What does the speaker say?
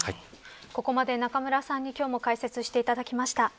ここまで中村さんに今日も解説していただきました。